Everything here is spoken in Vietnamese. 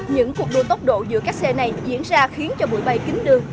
những cuộc đua tốc độ giữa các xe này diễn ra khiến cho bụi bay kính đường